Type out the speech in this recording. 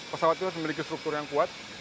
pesawat itu harus memiliki struktur yang kuat